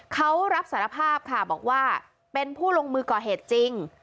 เขารับสารภาพค่ะบอกว่าเป็นผู้ลงมือก่อเหตุจริง